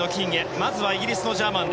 まずイギリスのジャーマン。